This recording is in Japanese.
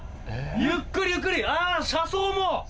ゆっくりゆっくりあ車窓も！